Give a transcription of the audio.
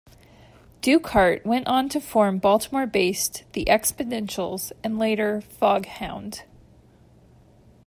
Dukehart went on to form Baltimore-based The Expotentials and later Foghound.